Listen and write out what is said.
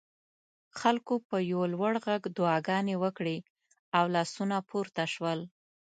خلکو په یو لوړ غږ دعاګانې وکړې او لاسونه پورته شول.